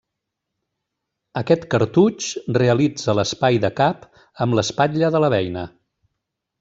Aquest cartutx realitza l'espai de cap amb l'espatlla de la beina.